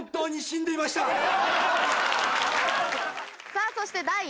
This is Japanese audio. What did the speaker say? さぁそして。